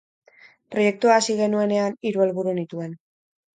Proiektua hasi genuenean hiru helburu nituen.